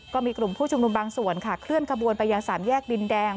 ก็มีกลุ่มผู้ชุมนุมบางส่วนค่ะเคลื่อนขบวนไปยังสามแยกดินแดง